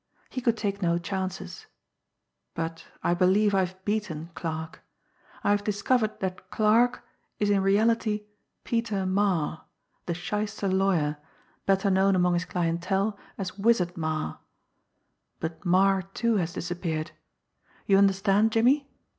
He could take no chances. But I believe I have beaten Clarke. I have discovered that 'Clarke' is in reality Peter Marre, the shyster lawyer, better known among his clientele as Wizard Marre. But Marre, too, has disappeared you understand, Jimmie?